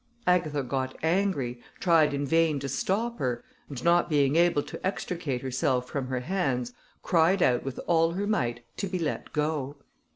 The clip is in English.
Agatha got angry, tried in vain to stop her, and not being able to extricate herself from her hands, cried out with all her might to be let go.